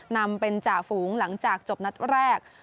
นำเป็นจ่าฝูงหลังจากจบนัดแรก